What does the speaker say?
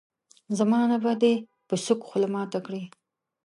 زمانه به دي په سوک خوله ماته کړي.